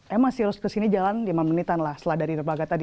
emang jalan harus ke sini lima menitan selama dari terbang tadi